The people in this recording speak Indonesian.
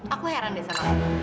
aku heran deh sama